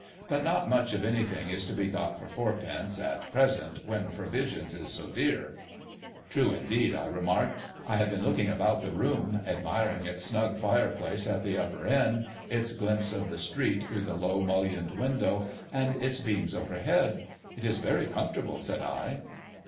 But not much of anything is to be got for fourpence, at present, when pro visions is so dear.' ' True indeed,' I remarked. I had been looking about the room, admiring its snug fireside at the upper end, its glimpse of the street through the low mullioned window, and its beams overhead. ' It is very comfortable,' said I.